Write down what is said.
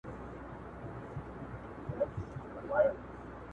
په تاسو پوهيږم.